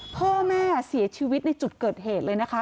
พ่อแม่เสียชีวิตในจุดเกิดเหตุเลยนะคะ